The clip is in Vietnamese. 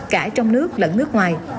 cả trong nước lẫn nước ngoài